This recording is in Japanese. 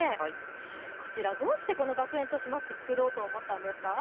こちら、どうしてこの学園都市マップ、作ろうと思ったんですか。